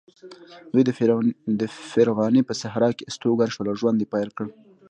دوی د فرغانې په صحرا کې استوګن شول او ژوند یې پیل کړ.